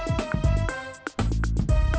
liat gue cabut ya